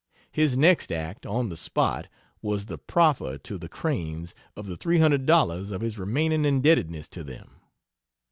His next act, on the spot, was the proffer to the Cranes of the $300 of his remaining indebtedness to them.